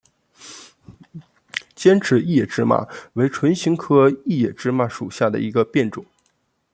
尖齿异野芝麻为唇形科异野芝麻属下的一个变种。